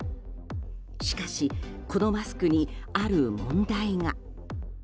しかし、このマスクにある問題が。